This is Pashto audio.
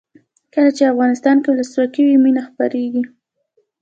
کله چې افغانستان کې ولسواکي وي مینه خپریږي.